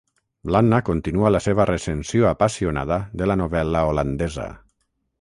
L'Anna continua la seva recensió apassionada de la novel·la holandesa.